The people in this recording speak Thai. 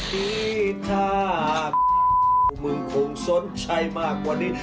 ดีถ้าพวกมึงคงสนใจมากกว่านี้